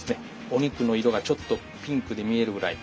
お肉の色がちょっとピンクに見えるぐらい。